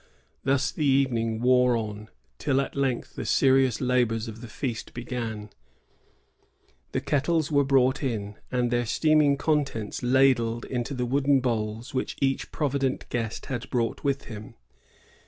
Thus the evening wore on, till at length the serious labors of the feast began. 92 THE JESUITS AT ONONDAGA. [166a The kettles were brought in, and their steaming contents ladled into the wooden bowls which each provident guest had brought with him.